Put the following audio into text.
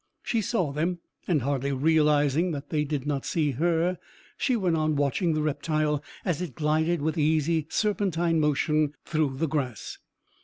She saw them, and hardly realising that they did not see her, she went on watching the reptile as it glided with easy serpentine motion through the grass.